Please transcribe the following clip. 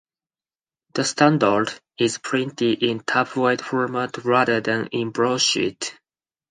"The Standard" is printed in tabloid-format rather than in broadsheet.